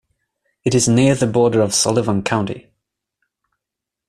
It is near the border of Sullivan County.